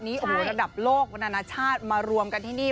โอ้โหระดับโลกนานาชาติมารวมกันที่นี่